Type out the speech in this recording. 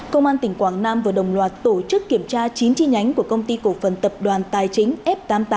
công an tỉnh quảng nam vừa đồng loạt tổ chức kiểm tra chín chi nhánh của công ty cổ phần tập đoàn tài chính f tám mươi tám